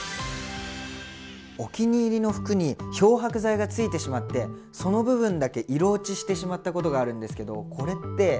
お気に入りの服に漂白剤がついてしまってその部分だけ色落ちしてしまったことがあるんですけどこれって。